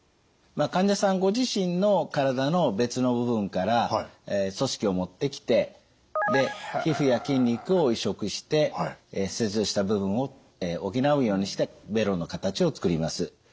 患者さんご自身の体の別の部分から組織を持ってきてで皮膚や筋肉を移植して切除した部分を補うようにしてベロの形を作ります。